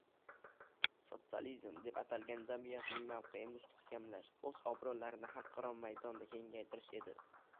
“Sotsializm” deb atalgan jamiyatning mavqeini mustahkamlash, oʻz obroʻlarini xalqaro maydonda kengaytirish edi.